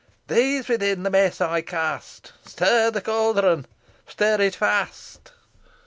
These within the mess I cast Stir the caldron stir it fast!"